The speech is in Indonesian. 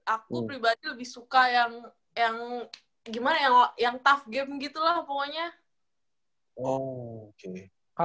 aku pribadi lebih suka yang tough game gitu lah pokoknya